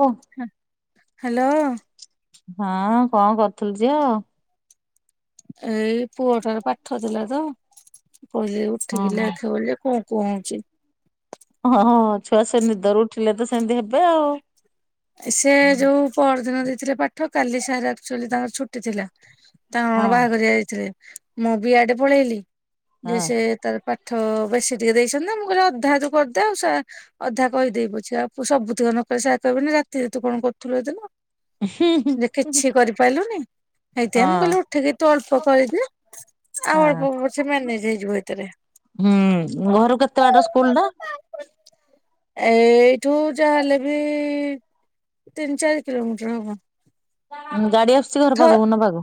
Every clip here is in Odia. ଓ ହ ହ୍ୟାଲୋ। ହଁ କଣ କରୁଥୁଲୁ ଝିଅ? ଏଇ ପୁଅଟାର ପାଠ ଥିଲା ତ ପ ଉଠିକି ଓହୋ ଲେଖ ବୋଲି ଯେ ପ କୁଁ ହୋଉଛି। ହଁ ହଁ ଛୁଆ ସେ ନିଦରୁ ଉଠିଲେ ତ ସେମିତି ହେବେ ଆଉ। ସେ ହଁ। ଯୋଉ ପହର ଦିନ ଦେଇଥିଲେ ପାଠ କାଲି ସାର୍ ଆକ୍ଚୁଆଲି ତାଙ୍କର ଛୁଟି ଥିଲା। ତାଙ୍କର କଣ ହଁ ବାହାଘରିଆ ଯାଇଥିଲେ। ମୁଁ ବି ଇଆଡେ ପଳେଇଲି ହୁଁ ଯେ ସେ ତାର ପାଠ ବେଶୀ ଟିକେ ଦେଇଛନ୍ତି ନା ମୁଁ କହିଲି ଅଧା ତୁ କରିଦେ ଆଉ ସେ ଅଧା କହିଦେବି ପଛିକା ଆଉ ସବୁତିକ ନକଲେ ସାର୍ କହିବନି ରା ରେ ତୁ କଣ କରୁଥିଲୁ ଏ ଦିନ ହୁଁ ଯେ କିଛି କରିପାରିଲୁନି। ହେଇଥିପାଇଁ ହଁ ମୁଁ କହିଲି ଉଠିକି ତୁ ଅଳ୍ପ କରିଦେ ଆଉ ହଁ। ଅଳ୍ପ ହୋଉ ପଛେ ମ୍ୟାନେଜ ହେଇଯିବ ହେଥିରେ। ହୁଁ ଘରୁ କେତେ ବାଟ ସ୍କୁଲ ଟା? ଏଇଠୁ ଯାହାହେଲେ ବି ତିନି ଚାରି କିଲୋମିଟର ହବ। ଉଁ ଗାଡି ଆସୁଚି ଘର ଥ ପାଖକୁ ନବାକୁ?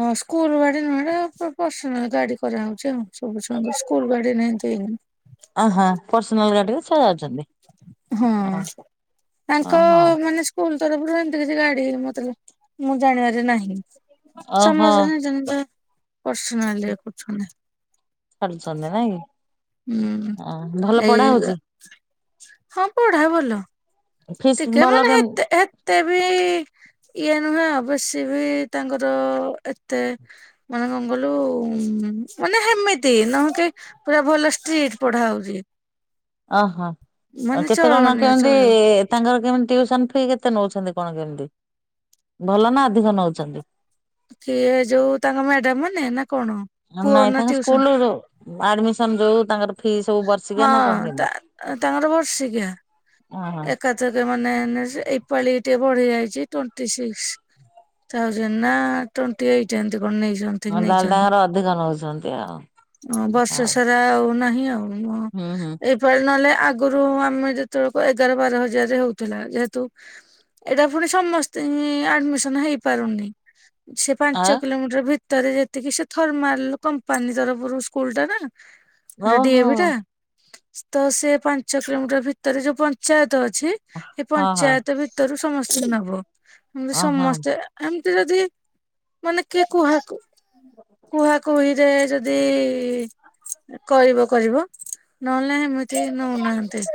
ହଁ ସ୍କୁଲ ଗାଡ଼ି ନୁହେଁତ ପ ପର୍ସନାଲ ଗାଡ଼ି କରାହୋଉଚି ଉଁ ସବୁ ଛୁଆଙ୍କୁ ସ୍କୁଲ ଗାଡ଼ି ନିଏମତି ଆଁ ହଁ ପର୍ସନାଲ ଗାଡିିରେ ଛୁଆ ଯାଉଚନ୍ତି। ହଁ ତାଙ୍କ ଓହୋ ମାନେ ସ୍କୁଲ ତରଫରୁ ଏମତି କିଛି ଗା ଡି ମତେ କିନ୍ତୁ ମୁଁ ଜାଣିବାରେ ନାହିଁ। ଓହୋ। ସମସ୍ତେ ନିଜ ନିଜ ପର୍ସନାଲିରେ କରୁଛନ୍ତି। କରୁଛନ୍ତି ନାଇଁ କି? ହୁଁ ହଁ ଭଲ ପଢା ଏଇ ହଉଚି। ହଁ ପଢା ଭଲ। ଫିସ୍ ଟିକେ ଭଲ ମାନେ କେମ ହେତେ ହେ ତେ ବି ଇଏ ନୁହେଁ ଅବଶ୍ୟ ବି ତାଙ୍କର ଏତେ ମାନେ କଣ କହିଲୁ ମାନେ ହେମିତି ନୁହଁ କିପୁରା ଭଲସେ ଷ୍ଟ୍ରଟି ପଢା ହୋଉଚି। ଓହୋ ଅଁ କେତେ କଣ ଚଳନୀୟ କେମତି? ଚଳିବ ତାଙ୍କର କେମିତି ଟିଉସନ ଫି କେତେ ନୋଉଚନ୍ତି କଣ କେମିତି? ଭଲ ନା ଅଧିକ ନଉଚନ୍ତି। କିଏ ଯୋଉ ତାଙ୍କ ମ୍ୟାଡାମାନେ ନା କଣ? ଅଁ ପୁଅ ନାଇଁ ନା ତାଙ୍କ ଟିଉସନ ସ୍କୁଲ ଯୋଉ ଆଡମିସନ ଯୋଉ ତାଙ୍କର ଫି ସବୁ ବର୍ଷିକିଆ ହଁ ନା କଣ ତା କେମତି? ଏକାଥରକେରେ ମାନେ ନେ ଏଇପାଳି ଟିଏ ବଢି ଯାଇଚି ଟ୍ୱଣ୍ଟି ସିକ୍ସ୍। ଥାଉଜେଣ୍ଡ ନା ଟ୍ୱଣ୍ଟିଏଇଟ ଏମତି କଣ ନେଇଚନ୍ ଠିକ ତାହେଲେ ନେଇଚନ୍ତି। ତାଙ୍କର ଅଧିକ ନଉଛନ୍ତି ଆଉ ବର୍ଷେ ହଉ। ସାରା ଆଉ ନାହିଁ ଆଉ। ନୁହଁ ହୁଁ ହୁଁ। ଏଇପାଳି ନହେଲେ ଆଗରୁ ଆମେ ଯେତେବେଳେ ଏଗାର ବାର ହଜାର ରେ ହୋଉଥିଲା। ଯେହେତୁ ଏଇଟା ପୁଣି ସମସ୍ତିଙ୍କି ଆଡମିସନ ହେଇପାରୁନି। ସେ ଆଉ ପାଞ୍ଚ କିଲୋମିଟର ଭି ତରେ ଯେତିକି ସେ ଥର୍ମାଲ କମ୍ପାନୀ ତରଫରୁ ସ୍କୁଲ ଟା ନା ହେଟା ଓହୋ ଡିଏଭି ଟା। ତ ସେଏ ପାଞ୍ଚ କିଲୋମିଟର ଭିତରେ ଯୋଉ ପଞ୍ଚାୟତ ଅଛି ହେ ହଁ ହଁ ପଞ୍ଚାୟତ ଭିତରୁ ସମସ୍ତିଙ୍କି ନବ। ହେମତି ଓହୋ। ସମସ୍ତେ ଏମିତି ଯଦି ମାନେ କିଏ କୁହାକୁ କୁହା କୁହିରେ ଯଦି କରିବ କରିବ। ନହେଲେ ହେମିତି ନୋଉନାହାନ୍ତି।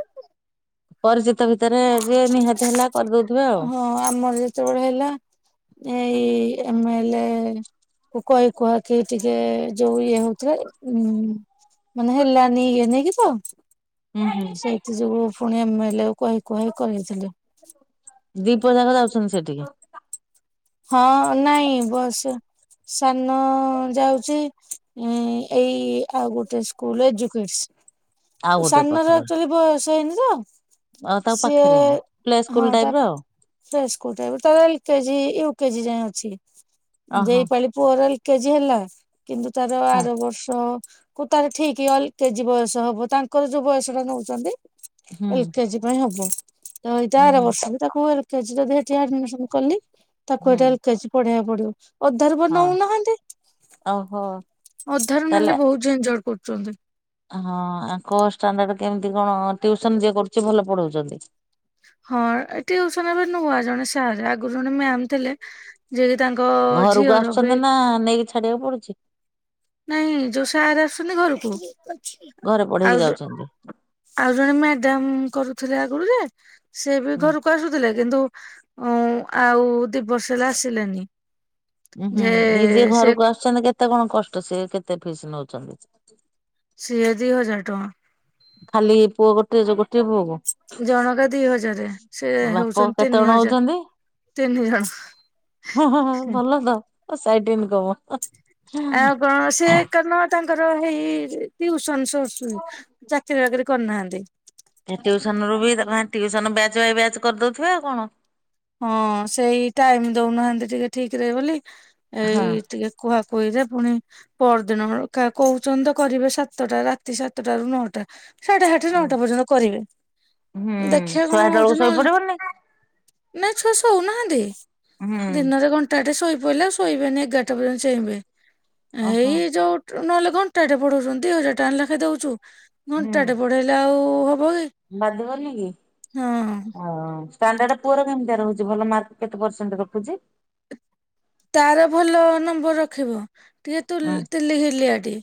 ପରିଚିତ ଭିତରେ ଯିଏ ନିହାତି ହେଲା କରଦୋଉଥିବ ଆଉ। ହଁ ଆମର ଯେତେବେଳେ ହେଲା ଏଇ ଏମେଲେ କୁ କହି କୁହାକି ଟିକେ ଯୋଉ ଇଏ ହୋଉଥିବ। ମାନେ ହେଲାନି ଇଏ ନେଇକି ତ? ହୁଁ ହୁଁ। ସେଇଥି ଯୋଗୁ ପୁଣି ଏମେଲେକୁ କହି କୁହାଇକି କରେଇଥିଲେ। ଦିପୁଅ ଯାଙ୍କ ଯାଉଚନ୍ତି ସେଟିକି। ହଁ ନାଇଁ ବସ୍ ସାନ ଯାଉଚି ଉଁ ଏଇ ଆଉ ଗୋଟେ ସ୍କୁଲ ଏଜୁକେଟସ୍। ଆଉ ଏଇ ଗୋଟେ ସାନର ପାଖରୁ ଆକ୍ଚୁଏଲି ବୟସ ହେଇନି ତ ଆଉ ତା ସିଏ ପାଖରେ ଆଉ। ପ୍ଲେ ସ୍କୁଲ ହଁ ଟାଇପ ର ତାପ୍ ଆଉ ଫ୍ରେସ୍ ସ୍କୁଲ ଟା ବି ତ ଏଲ କେଜି ୟୁ କେଜି ଯାଏଁ ଅଛି। ଓହୋ ଦେଇପାଳି ପୁଅର ଏଲ କେଜି ହେଲା, କିନ୍ତୁ ତାର ହଁ ଆର ବର୍ଷ କୁ ତାର ଠିକ୍ ଅଲ କେଜି ବୟସ ହବ। ତାଙ୍କର ଯୋଉ ବୟସ ଟା ନଉଚନ୍ତି ହୁଁ ଏଲ କେଜି ପାଇଁ ହବ। ତ ଏଇ ହୁଁ ତାର ହୁଁ ବର୍ଷକୁ ତାକୁ ଏଲ ଯଦି ହେଠି ଆଡମିସନ କଲି ତାକୁ ହୁଁ। ହେଠି ଏଲ କେଜି ପଢେଇଆକୁ ପଡିବ। ଅଧାରୁ ପା ହଁ ନୋଉନାହାନ୍ତି। ଓହୋ ଅଧାରୁ ତାହେଲେ ନେଲେ ବହୁତ ଝିନଝଡ୍ କରୁଚନ୍ତି। ହଁ ଆଙ୍କ ଷ୍ଟାଣ୍ଡାର୍ଡ କେମିତି କଣ ଟିଉସନ୍ ଯିଏ କରୁଚି ଭଲ ପଢ଼ଉଚନ୍ତି? ହଁ ଏ ଟିଉସନ ଏବେ ନୁଆ ଜଣେ ସାରେ ଆଗରୁ ଜଣେ ମ୍ୟାମ୍ ଥିଲେ। ଯିଏ କିି ତାଙ୍କ ଅ ଅ ଅ ଝିଅର ବି ହଁ ନେଇକି ଛାଡିବାକୁ ପଡୁଛି? ନାଇଁ ଯୋଉ ସାରେ ଆସୁଚନ୍ତି ଘରୁକୁ ଘରେ ପଢେଇକି ଆଉ ଯୋ ଯାଉଛନ୍ତି। ଆଉ ଜଣେ ମ୍ୟାଡାମ୍ କରୁଥିଲେ ଆଗରୁ ଯେ ସେ ବି ହୁଁ ଘରୁ କୁ ଆସୁଥିଲେ କିନ୍ତୁ ଉଁ ଉଁ ଆଉ ଦି ବର୍ଷ ହେଲା ଆସିଲେନି। ଉ ହୁଁ ଯେ ଇଏ ଯିଏ ସେ ଘରକୁ ଆସୁଛନ୍ତି କେତେ କଣ କଷ୍ଟ ସିଏ କେତେ ଫିସ୍ ନଉଛନ୍ତି? ସିଏ ଦି ହଜାର ଟଙ୍କା। ଖାଲି ପୁଅ ଗୋଟ ଜଣକା ଦି ହଜାରେ ସେ ବାପ ହଉଚନ୍ତି କେତେ ତିନି ଜଣ ହଜାର ହଉଛନ୍ତି ତିନି ଜଣ। ହଁ ହଁ ହଁ ଭଲ ତ ସାଇଟି ଇନ୍କମ ହଁ। ଆଉ କଣ ସିଏ କାରଣ ତାଙ୍କର ହେଇ ଟିଉସନ ସୋର୍ସ ହି ଚାକିରି ବାକିରି କରିନାହାନ୍ତି। ଟିଉସନ ରୁ ବି ତାକୁ ଆନ ଟିଉସନ ବ୍ୟାଚ ବାଇ ବ୍ୟାଚ କରିଦଉଥିବେ ଆଉ କଣ। ହଁ ସେଇ ଟାଇମ ଦଉନାହାନ୍ତି ଟିକେ ଠିକ୍ ରେ ବୋଲି ହଁ ଏଇ ଟିକେ କୁହା କୁହିରେ ଫୁଣି ପରଦିନ କଣ କା କହୁଚନ୍ତି ତ କରିବେ ସାତଟା ରାତି ସାତଟ ରୁ ନଅଟା। ସାଢେଆଠେ ନଅଟା ପର୍ଯ୍ୟନ୍ତ କରିବେ ହୁଁ ଦେଖିଆ ଛୁଆ କଣ ହେତେବେଳକୁ ହଉଚି ନହେଲେ ନାଇଁ ଶୋଇପଡିବନି ନାଇଁ ଛୁଆ ଶୋଉନାହାନ୍ତି ହୁଁ ଦିନରେ ଘଣ୍ଟ ଟାଟେ ଶୋଇ ପଇଲେ ଆଉ ଶୋଇବେନି ଏଗାରଟା ପର୍ଯ୍ୟନ୍ତ ଚେଇଁବେ ଓହୋ। ଏଇ ଯୋଉ ନହେଲେ ଘଣ୍ଟାଟେ ପଢ଼ଉଚନ୍ତି ଦି ହଜାର ଟଙ୍କା ଲାଖେ ଦଉଚୁ ହୁଁ ଘଣ୍ଟାଟେ ପଢ଼େଇଲେ ଆଉ ଉ ଉ ଉ ହବ କି। ବାଧିବନି କି ହଁ। ଷ୍ଟାଣ୍ଡାର୍ଡ ପୁଅର କେମତିଆ ରହୁଚି ଭଲ ମାର୍କ କେତେ ପରସେଣ୍ଟ ରଖୁଚି? ତାର ଭଲ ନମ୍ବର ରଖିବ ଟିକେ ତୁଲ ଉଁ ତିଲିଘିଲିଆ ଟି।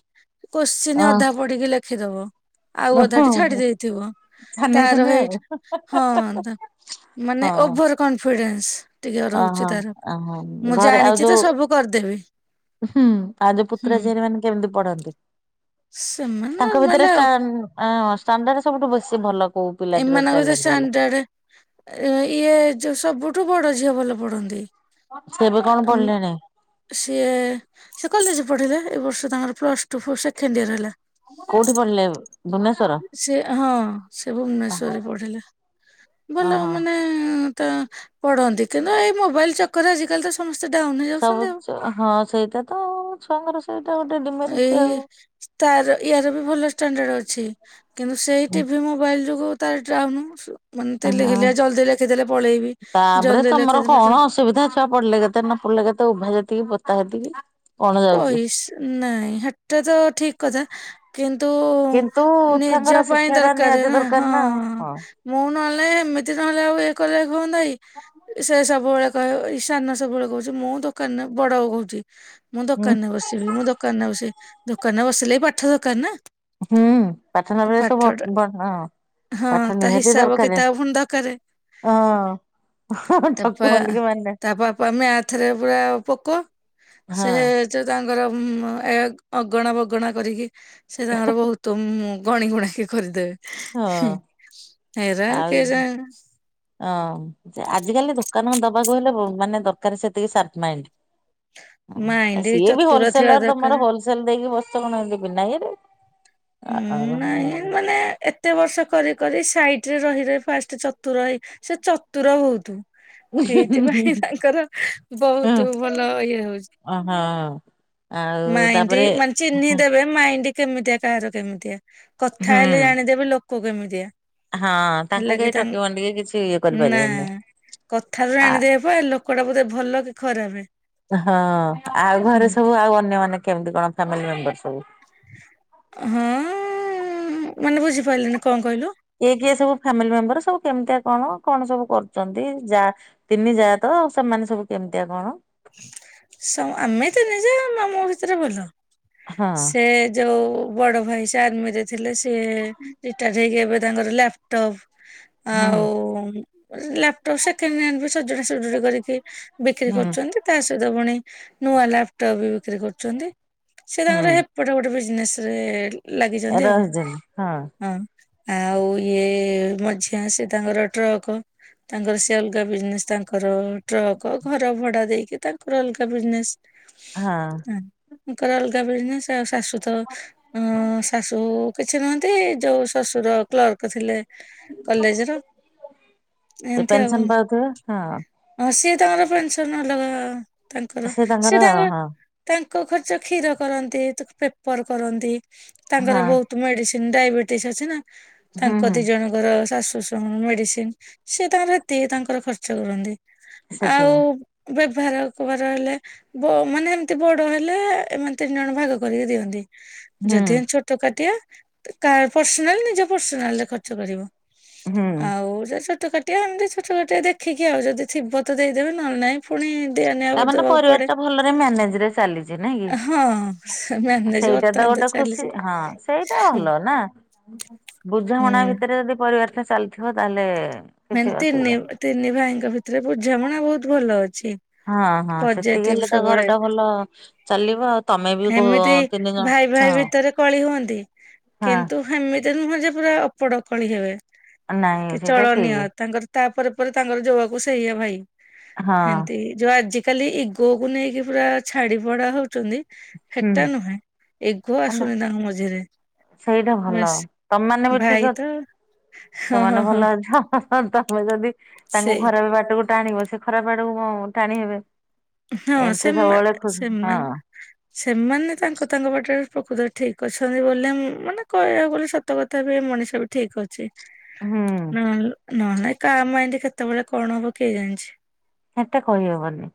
ଅ କୋଶ୍ଚିିନ ଅଧା ପଢ଼ିକି ଲେଖିଦବ। ଆଉ ଓହୋ ଅଧାଟି ଛାଡି ଦେଇଥିବ ଛାନିଆ ତାର ଛାନିଆ ଆଉ। ହେଇଠି ହଁ ମାନେ ଓଭର କନଫିଡେନ୍ସ। ଟିକେ ରହୁଛି ଓହୋ ତାର। ଓହୋ। ମୁଁ ଘରେ ଆଉ ଜାଣିଛି ତ ଯୋଉ ସବୁ କରିଦେବି ହୁଁ ଆଉ ଯୋଉ ହୁଁ। ପୁତୁରା ଝିଆରି ମାନେ କେମିତି ପଢ଼ନ୍ତି ସେମାନେ ତାଙ୍କ ନର୍ମାଲ ଭିତରେ ଆଉ ଷ୍ଟାନ ଅଁ ଷ୍ଟାଣ୍ଡାର୍ଡ ସବୁଠୁ ବେଶୀ ଭଲ କୋଉ ପିଲାଟିର ଏମାନଙ୍କ ଭିତରେ ଟ୍ୟାଲେଣ୍ଟ ଭଲ? ଷ୍ଟାଣ୍ଡାଡେ ଇଏ ଯୋଉ ସବୁଠୁ ବଡ ଝିଅ ଭଲ ପଢ଼ନ୍ତି। ସେ ଏବେ କଣ ପଢ଼ିଲେଣି? ସିଏ ସେ କଲେଜ ପଢ଼ିଲେ ଏଇ ବର୍ଷ ତାଙ୍କର ପ୍ଲସ ଟୁ ଫ ସେକେଣ୍ଡ ଇୟର ହେଲା। କୋଉଠି ପଢ଼ିଲେ ଭୁବନେ ସେ ହଁ ସିଏ ଭୁବନେଶ୍ଵରରେ ପଢ଼ିଲେ ଭଲ ଓହୋ ମାନେ ଏ ଏ ଏ ତାଁ ପଢ଼ନ୍ତି କିନ୍ତୁ ଏଇ ମୋବାଇଲ୍ ଚ କରେ ଆଜିକାଲି ତ ସମସ୍ତେ ଡାଉନ ହେଇ ଯାଉଚନ୍ତି ଆଉ। ହଉ ଛୁଆଙ୍କର ସେଇଟା ଗୋଟେ ଡିମେରିଟି ଏଇ ଆଉ। ତାର ଇଆର ବି ଭଲ ଷ୍ଟାଣ୍ଡାର୍ଡ ଅଛି କିନ୍ତୁ ସେଇ ଟିଭି ମୋ ବାଇଲ ଯୁଗୁ ତାର ଡାଉନୁ ଆଶୁ ର। ମାନେ ହଁ ତିଲିଘିଲିଆ ଜଲ୍ଦି ଲେଖିଦେଲେ ପଳେଇବି ତାପରେ ଜଲ୍ଦି ତମର ଲେଖିଦେଲେ କଣ ଟା ଅସୁବିଧା ଛୁଆ ପଢ଼ିଲେ କେତେ ନ ପଢ଼ିଲେ କେତେ ଉଭା ଯେତିକି ପୋତା ହେତିକି। କଣ ଯାଉଛି ପଇସ ନାଇଁ ହାଟ ତ ଠିକ କଥା। କିନ୍ତୁ କିନ୍ତୁ ନିଜ ଛୁଆଙ୍କର ପାଇଁ ଶିକ୍ଷା ଟା ଦରକାର ନିହାତି ନା ହଁ। ହଁ। ମୁଁ ନହେଲେ ଏମିତି ନହେଲେ ଆଉ ଇଏ କଲେ ହୁଅ ନାଇ ସେ ସବୁବେଳେ କହ ଏଇ ସାନ ସବୁବେଳେ କହୁଛି ମୁଁ ଦୋକାନ ରେ ବଡଉ କହୁଛି ମୁଁ ହୁଁ ଦୋକାନ ରେ ବସିବି ମୁଁ ଦାନ ଦୋକାନ ବ ସେ ଦୋକାନ ବସିଲ ବି ପାଠ ଦୋକ ନା ହୁଁ ପାଠନ ବେଳେ ସବୁ ପାଠ ବଣ ହଁ ତା ହିସାବ କିତା ଆ ପୁଣି ଦରକାର। ହଁ। ତାପ ଠକିବନି ଟିକେ ମାନେ ତା ପାପ ଆମେ ଆଥରେ ପୁରା ପୋକ। ହଁ ସେ ତାଙ୍କର ଅଗଣା ବଗଣା କରିକି ସେ ତାଙ୍କର ବହୁତ ଗଣି ଗୁଣାକି ହଁ କରିଦେବେ ଏରା ଆଉ କେ ଯ ହଁ ଆଜିକାଲି ଦୋକାନ କ ଦବାକୁ ହେଲେ ମାନେ ଦରକାର ସେତିକି ସପ ମାଇ ହ ମାଇଣ୍ଡ ସିଏ ବି ଚତୁର ଥିବା ହୋଲସେଲର ଦରକାର। ତମର ହୋଲସେଲ ଦେଇକି ବସିଛ କଣ ଏମିତି ବିନା ଇଏରେ। ହୁଁ ନାଇଁ ମାନେ କେତେ ବର୍ଷ କରି କରି ସାଇଟ ରେ ରହି ରହି ଫାଷ୍ଟ ଚତୁର ହେଇ ସେ ଚତୁର ବହୁତ। ସେଇଥିପାଇଁ ତାଙ୍କର ବହୁତ ଭଲ ଇଏ ହଉଛି। ଓହୋ ମାଇଣ୍ତି ମାନେ ଚିହ୍ନି ଦେବେ। ମାଇଣ୍ଡ କେମିତିଆ କାହାର କେମିତିଆ କଥା ହେଲେ ହୁଁ। ଜାଣିଦେବେ ଲୋକ କେମିତିଆ। ହଁ ହେଲା ତାଙ୍କୁ କି କେହି ତାଙ୍କ ଠକି ଭଣ୍ଡିିଇକି କିଛି ଇଏ ନା। କରିପାରିବେନି। କଥାରୁ ଆ ଜଣିଦେବ ବା ଲୋକ ଟା ବୋଧେ ଭଲ କି ଖରାପ ହଁ ଆଉ ଘରେ ହୁଁ। ସବୁ ଆଉ ଅନ୍ୟମାନେ କେମତି କଣ ଫ୍ୟାମିଲ ମେମ୍ୱର ସବୁ? ହଁ ମାନେ ବୁଝିପାରିଲିନି କଣ କହିଲ କିଏ କିଏ ସବୁ ଫ୍ୟାମିଲି ମେମ୍ବର ସବୁ କେମିତିଆ କଣ କଣ ସବୁ କରୁଛନ୍ତି ଯା ତିନି ଯା ତ ଆଉ ସେମାନେ ସବୁ କେମିତିଆ କଣ? ଆମେ ତିନି ଯା ଆମେ ଆମ ଭିତରେ ଭଲ ହଁ ସେ ଯୋଉ ବଡ ଭାଇ ସେ ଆର୍ମିରେ ଥିଲେ ସିଏ ରିଟା ଟ ହେଇକି ଏବେ ତାଙ୍କର ଲା୍ ହୁଁ ଆଉ ଲ୍ୟାପଟପ୍ ସେକେଣ୍ଡ ହ୍ୟାଣ୍ଡ ବି ସଜଡା ସଜଡ଼ି କରିକି ବିକ୍ରି ହୁଁ କରୁଛନ୍ତି। ତା ସହିତ ପୁଣି ନୂଆ ଲାପଟପ୍ ବି ବିକ୍ରି କରୁଛନ୍ତି ସେ ତାଙ୍କର ହୁଁ ଏପଟେ ଗୋଟେ ବିଜନେସ୍ ରେ ଲାଗିଛନ୍ତି ଆଉ ହଁ। ଆଉ ଇଏ ମଝିଆ ସେ ତାଙ୍କର ଟ୍ରକ୍ ତାଙ୍କର ସେ ଅଲଗା ବିଜନେସ୍ ତାଙ୍କର ଟ୍ରକ ଘର ଭଡା ଦେଇକି ତାଙ୍କର ଅଲଗା ବିଜନେସ। ହଁ। ତାଙ୍କର ଅଲଗା ବିଜନେସ୍ ଆ ଶାଶୁ ତ ଅ ଶାଶୁ କିଛି ନୁହନ୍ତି ଯୋଉ ଶଶୁର କ୍ଲର୍କ ଥିଲେ। କଲେଜ ର ସେ ଏମତି ଆଉ। ପେନସନ ପାଉଥିବେ ହଁ ହଁ ସିଏ ତାଙ୍କର ପେନସନ ଅଲଗା ତାଙ୍କର ସେ ସିଏ ତାଙ୍କର ହଁ ତାଙ୍କ ଖର୍ଚ କ୍ଷୀର କରନ୍ତି ତାକୁ ପେପର କରନ୍ତି ତାଙ୍କର ହଁ ବହୁତ ମେଡିସିନ ଡାଇବେଟିସ୍ ଅଛି ନା ହୁଁ ତାଙ୍କ ହୁଁ। ଦି ଜଣ ର ଶାଶୁ ଶଶୁରଙ୍କର ମେଡିସିନ ସି ଏ ତାଙ୍କର ହେତିକ ତାଙ୍କର ଖର୍ଚ୍ଚ କରନ୍ତି। ଆଉ ସେତିକି ବ୍ୟବହାର ବାର ହେଲେ ମାନେ ଏମତି ବଡ ହେଲେ ଏମାନେ ତିନି ଜଣ ଭାଗ କରିକି ଦିଅନ୍ତି। ହୁଁ ଯଦି ଏମିତି ଛୋଟ କାଟିଆ କାହାର ପର୍ସନାଲ ନିଜ ପର୍ସନାଲରେ ଖର୍ଚ୍ଚ କରିବ। ହୁଁ ଆଉ ଛୋଟ କା ଟିଆ ଏମିତି ଛୋଟ କାଟିଆ ଦେଖିକି ଆଉ ଯଦି ଥିବତ ଦେଇଦେବେ ନହେଲେ ନାଇଁ ପୁଣି ଦିଆ ନିଆ ତା ମାନେ ଦବାକୁ ପରିବାର ପଡେ ଟା ଭଲରେ ମ୍ୟାନେଜ ରେ ଚାଲିଛି ନାଇ ହଁ କି ମ୍ୟାନେଜ ସେଇଟା ତ ବର୍ତ୍ତମାନ ଗୋଟେ ଖୁସି ଚାଲିଛି ହଁ ସେଇଟା ହୁଁ। ଭଲ ନା ବୁଝାମଣା ଭିତରେ ଯଦି ପରିବାର ଚାଲିଥିବ ତାହେଲେ କିଛି ମାନେ ତିନି ଅସୁବିଧା ନାହିଁ। ତିନି ଭାଇଙ୍କ ଭିତରେ ବୁଝାମଣା ବହୁତ ଭଲ ଅଛି। ହଁ ହଁ ସେତିକି ପଜିଟିଭ ହେଲେ ତ ସବୁବେଳେ ଘରଟା ଭଲ ଚାଲିବ ଆଉ ତମେ ବି କ ଏମିତି ଭାଇ ଭାଇ ଭିତରେ କଳି ହୁଅନ୍ତି। ହଁ। କିନ୍ତୁ ହେମିତି ନୁହଁ ଯେ ପୁରା ଅପଡ କଳି ହେବେ, ନାଇଁ କି ସେଇଟା ଚଳନୀୟ। ଠିକ ତାଙ୍କର ତାପରେ ପରେ ତାଙ୍କର ଜୋଆକୁ ସେଇଆ ଭାଇ ହଁ ହେନ୍ ତି ଯୋଉ ଆଜିକାଲି ଇଗୋ କୁ ନେଇକି ପୁରା ଛାଡି ପଡା ହଉଛନ୍ତି। ହୁଁ ହେଟା ନୁହେଁ ଇଗୋ ମାନେ ଆସୁନି ତାଙ୍କ ମଝିରେ। ସେଇଟା ଭଲ ବାସ୍ ତମ ମାନେ ବି ଭାଇ ଠିକ ତ ଅଛ, ତମ ହଁ ହଁ ମାନେ ହଁ ଭଲ ଅଛ। ହଁ ତମେ ଯଦି ତାଙ୍କୁ ସେଇ ଖରାପ ବାଟକୁ ଟାଣିବ ସେ ଖରାପ ବାଟକୁ ଟାଣି ହେବେ। ହଁ ଏମିତି ସେମା ସବୁବେଳେ ଖୁସି ହଁ ସେମାନେ ସେମାନେ ତାଙ୍କ ତାଙ୍କ ବାଟରେ ପ୍ରକୃତ ରେ ଠିକ ଅଛନ୍ତି ବୋଲି ମାନେ କହିବାକୁ ଗଲେ ସ ସତ କଥା ବି ମଣିଷ ବି ଠିକ୍ ଅଛି। ହୁଁ ନହେଲେ ନହେଲେ କାହା ମାଇଣ୍ଡି କେତେବେଳେ କଣ ହବ କିଏ ଜାଣିଚି। ହେଟା କହିହବନି,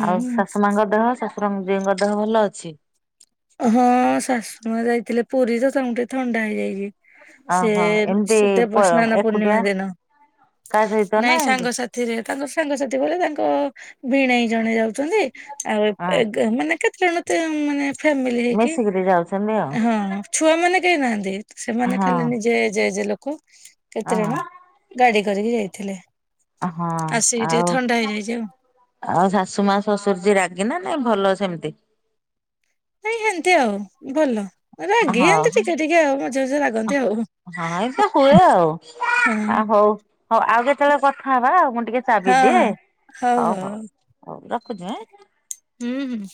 ଆଉ ଶାଶୁ ମାଙ୍କ ଦେହ ଶାଶୁରଙ୍ଗ ଜିଉଙ୍କ ଦେହ ଭଲ ଅଛି? ହଁ ଶାଶୁ ମା ଯାଇଥିଲେ ପୁରୀତ ତାଙ୍କୁଟିକେ ଥଣ୍ଡା ହେଇଯାଇଚି। ସେ ଓହୋ ଏମିତି ପ ଦେବ ସ୍ନାନ ଏକୁଟିଆ ପୂର୍ଣ୍ଣିମା ଦିନ, କା ସହିତ ନା ନାଇଁ ଏମିତି ସାଙ୍ଗ ସା ଥିରେ ତାଙ୍କ ସାଙ୍ଗସାଥି ବଲେ ତାଙ୍କ ଭୀଣେଇ ଜଣେ ଯାଉଛନ୍ତି, ଆଉ ହଁ ମାନେ କେତେ ଜଣ ତ ମାନେ ଫାମିଲି ହେଇକି ମିଶିକିରି ଯାଉଛନ୍ତି ଆଉ ହଁ। ଛୁଆମାନେ କେହି ନାହାନ୍ତି ସେମାନେ ହଁ ଖାଲି ନିଜେ ଯେ ଯେ ଲୋକ। କେତେଜଣ ହଁ ଗାଡି କରିକି ଯାଇଥିଲେ ହଁ ଆସିକି ଟିକେ ଆଉ ଥଣ୍ଡା ହେଇଯାଇଛି ଆଉ। ଆଉ ଶାଶୁ ମା ଶ୍ୱଶୁର ଜି ରାଗି ନା ନାଇଁ ଭଲ ସେମିତି? ନାଇଁ ହେମତି ଆଉ ଭଲ। ରାଗି ହଉ ଏନ୍ତି ଟିକେ ଟିକେ ଆଉ ମଝିରେ ମଝିରେ ରାଗନ୍ତି ଆଉ। ହଁ ଆ ହଁ। ହଉ ହଉ ଆଉ କେତେବେଳେ କଥା ହବାଉ ମୁଁ ଟିକେ ଚା ହଉ ପିଦିଏ ହଉ ହଉ। ହଉ ରଖୁଛି। ହୁଁ ହୁଁ।